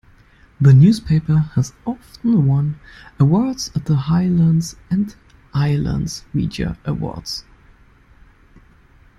The newspaper has often won awards at the Highlands and Islands Media Awards.